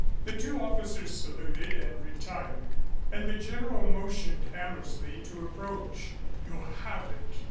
The two officers saluted and retired and the General motioned Hammersley to approach. "You have it?"